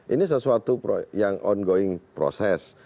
ini sesuatu yang ongoing proses